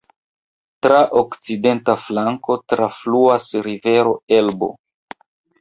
Tra okcidenta flanko trafluas rivero Elbo.